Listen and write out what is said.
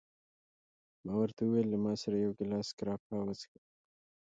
ما ورته وویل: له ما سره یو ګیلاس ګراپا وڅښه.